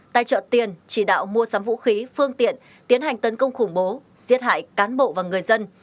tài trợ tiền chỉ đạo mua sắm vũ khí phương tiện tiến hành tấn công khủng bố giết hại cán bộ và người dân